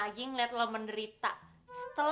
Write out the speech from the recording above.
tidak ada yang bisa dikawal